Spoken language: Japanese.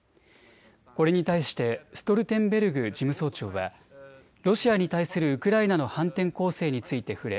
これに対してストルテンベルグ事務総長はロシアに対するウクライナの反転攻勢について触れ